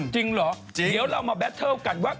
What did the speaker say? จริงเหรอเดี๋ยวเรามาแบตเทิลกันว่า